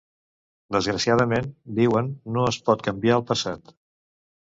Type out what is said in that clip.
Desgraciadament, diuen, no es pot canviar el passat.